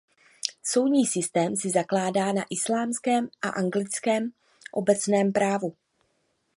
Soudní systém si zakládá na islámském a anglickém obecném právu.